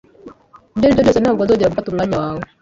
Ibyo ari byo byose, ntabwo nzongera gufata umwanya wawe.